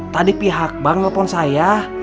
tadi pihak bank nelfon saya